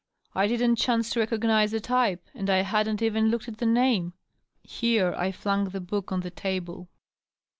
I didn't chance to recognize the type, and I hadn't even looked at the name." Here I flung the book on the table.